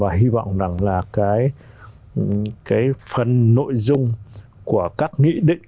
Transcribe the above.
nói chung rằng là cái phần nội dung của các nghị định